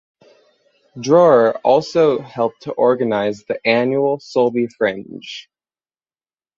Drower also helped to organize the annual Sulby Fringe.